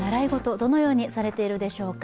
どのようにされているでしょうか。